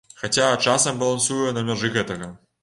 Хаця, часам балансуе на мяжы гэтага.